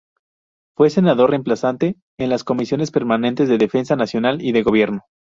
Fue senador reemplazante en las comisiones permanentes de Defensa Nacional y de Gobierno.